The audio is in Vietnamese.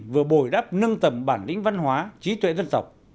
vừa bồi đắp nâng tầm bản lĩnh văn hóa trí tuệ dân tộc